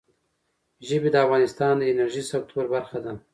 ژبې د افغانستان د انرژۍ سکتور برخه ده.